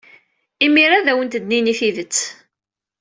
Imir-a ad awent-d-nini tidet.